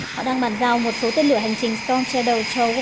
họ đang bàn giao một số tên lửa hành trình storm shadow cho ukraine